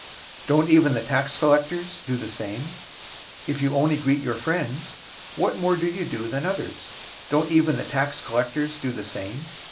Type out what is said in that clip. Don't even the tax collectors do the same? 005:047 If you only greet your friends, what more do you do than others? Don't even the tax collectors do the same?